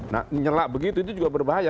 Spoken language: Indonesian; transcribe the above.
nah nyelak begitu itu juga berbahaya